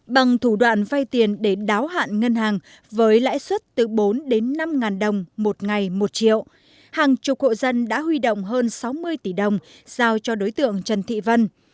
bằng thủ đoạn vay tiền để đáo hạn ngân hàng với lãi suất từ bốn đến năm ngàn đồng một ngày một triệu hàng chục hộ dân đã huy động hơn sáu mươi tỷ đồng giao cho đối tượng trần thị vân